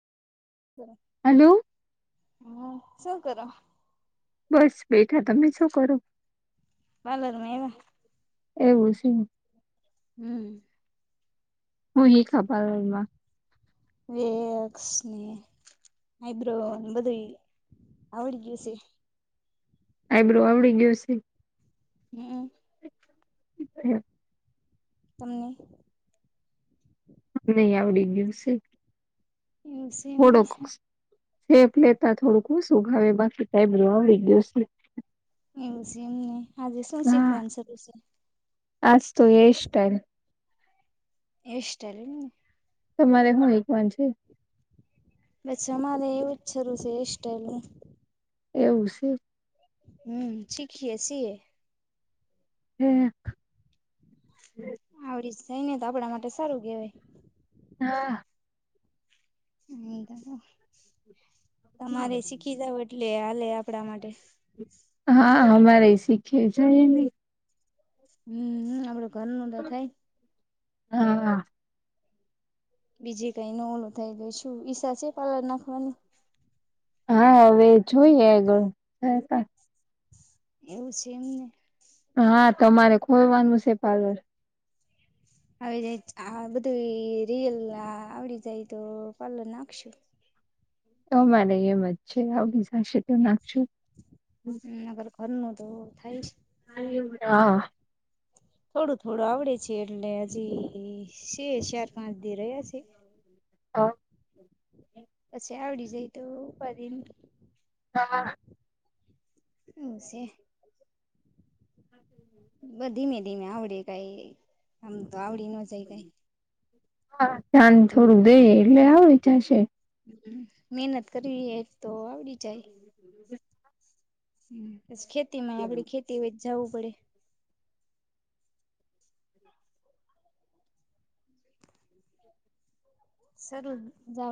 [unintelligible] Hello. હમ, શું કરો? બસ બેઠા. તમે શું કરો? પાર્લર માહી આવ્યા એવું છે હું હમ્મ. [unintelligible] ખબરમાં વેક્સ ની આઈબ્રો અને બધુંય આવડી ગયું છે. આઈબ્રો આવડી ગ્યું છે. હમ્મ. [inaudible] તમને? મને આવડી ગ્યું છે. એવું છે એમને થોડોક સેફ લેતા થોડુંક ઓછું ફાવે બાકી ટાઈબ આયર્બ્રો ગયું છે. એવું છે એમને આજે શું હા શીખવાનું છે બીજે આજ તો હેરસ્ટાઇલ. હેર સ્ટાઇલ એમને. તમારે હું હિંકવાન છે? બસ અમારે એવુજ સરુ છે હેર સ્ટાઈલનું એવું છે. હમ્મ, શીખીએ છીએ. હમ્મ. આવડી જ જાય ને તો આપડા માટે સારું કહેવાય. હા. હમ્મ તમારે શીખી જાવ એટલે હાલે આપડા માટે. હા અમારે શીખે જાયને. હમ્મ, આપડે ઘરનું તો થાય. હા. બીજે કઈ ન ઓલું થાય તો શું ઈચ્છા છે, પાર્લર નાખવાની હા, હવે જોઈએ આગળ એવું છે એમને હા તમારે ખોલવાનું છે પાર્લર. આવી જાય આ બધું રિયલ આવડી જાય તો પાર્લર નાખશું. તો મારે એમ જ છે, આવડી જશે તો નાખશું. હમ અગર ઘરનું તો થાય છે. હ વડા, હા. થોડું થોડું આવડે છે એટલે હજી સે શાર પાંચ દી રહ્યા છે. હા. પછી આવડી જાઈ તો ઉપાદી નહીં. તમારા હું છે. બ ધીમે ધીમે આવડે કઈ આમ તો આવડી નો જાય કઈ. હા ધ્યાન થોડું દઈએ એટલે આવડી જશે. હ મહેનત કરવી એ તો આવડી જાય. હમ પસ ખેતીમાં આપડી ખેતી હોય જ જવું પડે. શરૂ જાવ